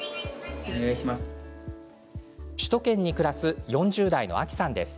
首都圏に暮らす４０代のアキさんです。